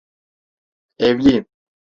Evliyim.